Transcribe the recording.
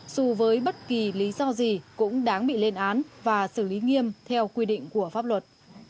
dù với bất kỳ lý do gì cũng đáng bị lên án và xử lý nghiêm theo quy định của pháp luật